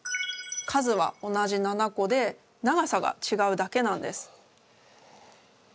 数は同じ７個で長さがちがうだけなんです。